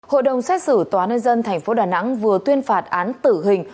hội đồng xét xử tòa nhân dân tp đà nẵng vừa tuyên phạt án tử hình